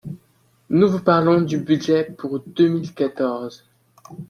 Nous vous parlons du budget pour deux mille quatorze